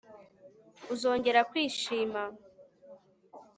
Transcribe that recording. Uzongera kwishima